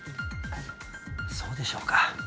そうでしょうか？